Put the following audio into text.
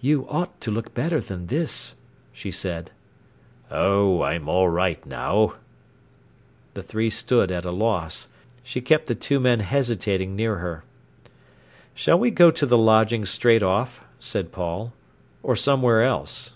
"You ought to look better than this," she said. "Oh, I'm all right now." The three stood at a loss. She kept the two men hesitating near her. "Shall we go to the lodging straight off," said Paul, "or somewhere else?"